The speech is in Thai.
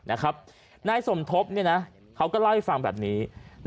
นายสมทบเขาก็เล่าให้ฟังแบบนี้